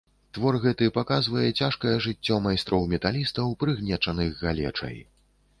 Твор гэты паказвае цяжкае жыццё майстроў-металістаў, прыгнечаных галечай.